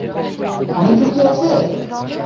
অনেক ঝুকি আছে!